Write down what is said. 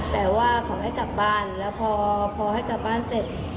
แต่ว่าเขาให้กลับบ้านแล้วพอให้กลับบ้านเสร็จ